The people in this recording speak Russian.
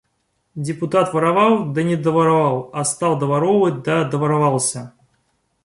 Депутат воровал, да не доворовал, а стал доворовывать, да доворовался.